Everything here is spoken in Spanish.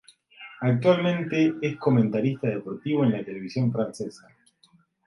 Actualmente es comentarista deportivo en la televisión francesa.